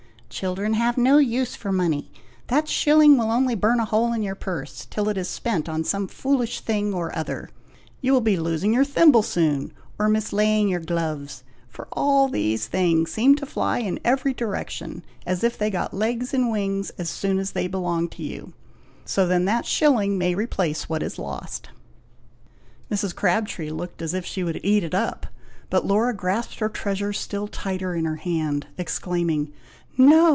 "Children have no use for money! that shilling will only burn a hole in your purse, till it is spent on some foolish thing or other. You will be losing your thimble soon, or mislaying your gloves; for all these things seem to fly in every direction, as if they got legs and wings as soon as they belong to you; so then that shilling may replace what is lost." Mrs. Crabtree looked as if she would eat it up; but Laura grasped her treasure still tighter in her hand, exclaiming, "No!